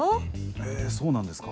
へえそうなんですか。